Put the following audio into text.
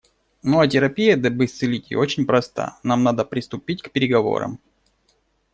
Ну а терапия, дабы исцелить ее, очень проста: нам надо приступить к переговорам.